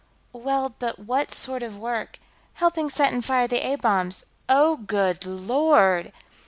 "Well, but what sort of work ...?" "Helping set and fire the A bombs.... _Oh! Good Lord!